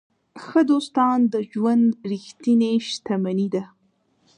ښه دوستان د ژوند ریښتینې شتمني ده.